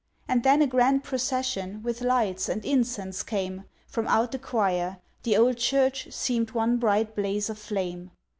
And then a grand procession, With lights, and incense, came From out the choir; the old Church Seem'd one bright blaze of flame.